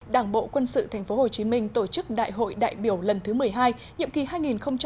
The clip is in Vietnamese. đảng bộ quân sự tp hcm tổ chức đại hội đại biểu lần thứ một mươi hai nhiệm kỳ hai nghìn hai mươi hai nghìn hai mươi năm